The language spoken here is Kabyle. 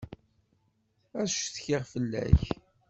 Ad ccetkiɣ fell-ak.